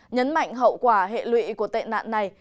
nhấn mạnh hậu quả hệ lụy của tệ nạn này